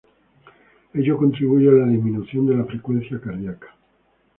Ello contribuye a la disminución de la frecuencia cardíaca.